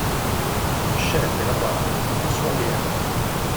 Michel de La Barre fu suo allievo.